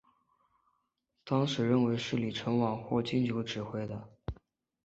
当时认为是李承晚或金九指挥的。